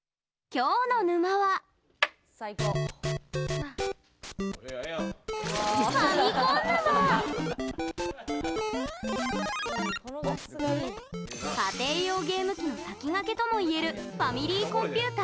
今日の沼は家庭用ゲーム機の先駆けともいえるファミリーコンピュータ